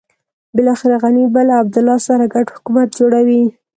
بلاخره غني به له عبدالله سره ګډ حکومت جوړوي.